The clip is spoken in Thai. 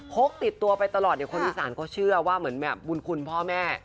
โค้กติดตัวไปตลอดคนอีสานก็เชื่อว่าเหมือนบุญคุณพ่อแม่